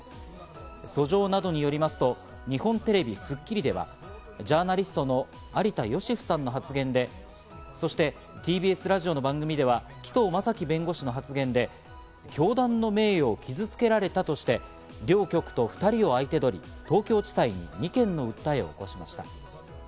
訴状などによりますと、日本テレビ『スッキリ』ではジャーナリストの有田芳生さんの発言で、そしてＴＢＳラジオの番組では紀藤正樹弁護士の発言で、教団の名誉を傷つけられたとして、両局と２人を相手取り、東京地裁に２件の訴えを起こしました。